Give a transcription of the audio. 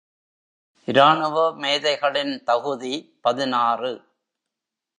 இராணுவமேதைகளின் தகுதி பதினாறு .